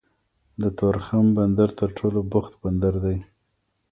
د تورخم بندر تر ټولو بوخت بندر دی